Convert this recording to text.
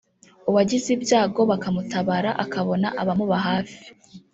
uwagize ibyago bakamutabara akabona abamuba hafi